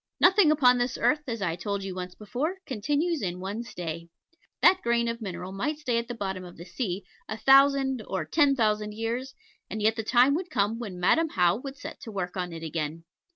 Nothing upon this earth, as I told you once before, continues in one stay. That grain of mineral might stay at the bottom of the sea a thousand or ten thousand years, and yet the time would come when Madam How would set to work on it again.